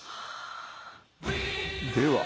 では。